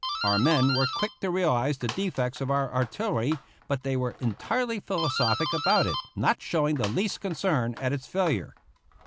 Our men were quick to realize the defects of our artillery, but they were entirely philosophic about it, not showing the least concern at its failure.